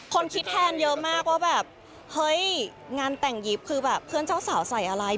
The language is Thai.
คนคิดแทนเยอะมากว่าแบบเฮ้ยงานแต่งยิบคือแบบเพื่อนเจ้าสาวใส่อะไร